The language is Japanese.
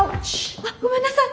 あっごめんなさい！